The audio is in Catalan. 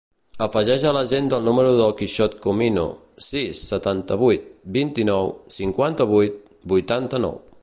Afegeix a l'agenda el número del Quixot Comino: sis, setanta-vuit, vint-i-nou, cinquanta-vuit, vuitanta-nou.